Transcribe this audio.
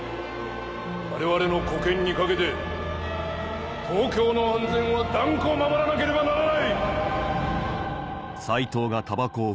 我々の沽券にかけて東京の安全は断固守らなければならない！